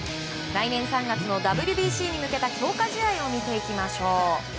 来年３月のＷＢＣに向けた強化試合を見ていきましょう。